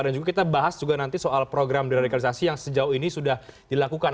dan juga kita bahas nanti soal program deradikalisasi yang sejauh ini sudah dilakukan